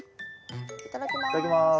いただきます。